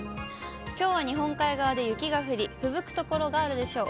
きょうは日本海側で雪が降り、ふぶく所があるでしょう。